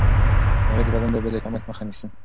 مېوې د بدن د اوبو د کمښت مخه نیسي.